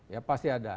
ya pasti ada